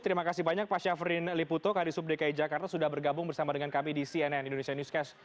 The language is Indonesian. terima kasih banyak pak syafrin liputo kadisub dki jakarta sudah bergabung bersama dengan kami di cnn indonesia newscast